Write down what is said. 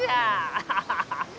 アハハハ！